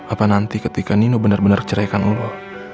apa nanti ketika nino bener bener cerai kan lo